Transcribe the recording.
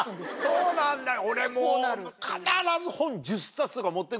そうなんだよ。